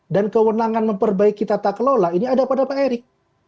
dan kewenangan memperbaiki tata kelola ini ada pada pak erick